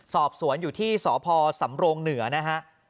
สอบสวนอยู่ที่สพสำโรงเหนือนะฮะ